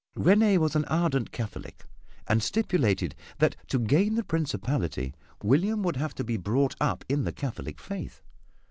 Réné was an ardent Catholic, and stipulated that to gain the principality William would have to be brought up in the Catholic faith.